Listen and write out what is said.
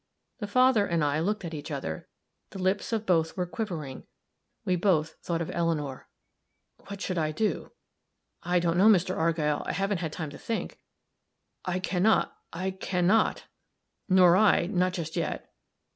The father and I looked at each other; the lips of both were quivering; we both thought of Eleanor. "What shall I do?" "I don't know, Mr. Argyll. I haven't had time to think." "I can not I can not " "Nor I not just yet.